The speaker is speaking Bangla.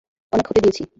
অনেক হতে দিয়েছি।